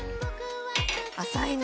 浅いね。